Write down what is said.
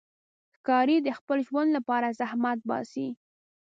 ښکاري د خپل ژوند لپاره زحمت باسي.